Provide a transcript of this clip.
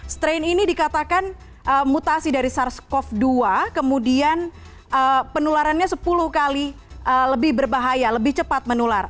strain ini dikatakan mutasi dari sars cov dua kemudian penularannya sepuluh kali lebih berbahaya lebih cepat menular